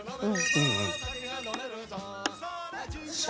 うんうん。